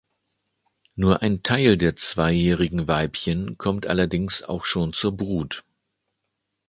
Nur ein Teil der zweijährigen Weibchen kommt allerdings auch schon zur Brut.